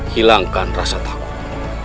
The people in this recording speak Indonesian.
hilangkan rasa takut